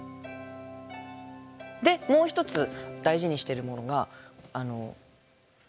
でもう一つ大事にしているものが白湯です。